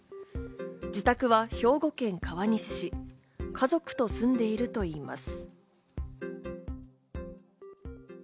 自宅は兵庫県川西市、家族と住んでいるといいます。